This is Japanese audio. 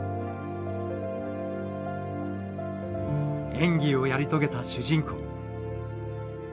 演技をやり遂げた主人公。